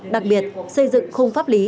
đặc biệt xây dựng khung pháp lý